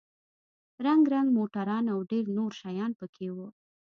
رنگ رنگ موټران او ډېر نور شيان پکښې وو.